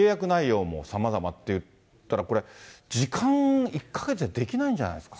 契約内容もさまざまっていったら、これ、時間、１か月でできないんじゃないですか。